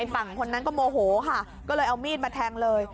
ฝั่งคนนั้นก็โมโหค่ะก็เลยเอามีดมาแทงเลย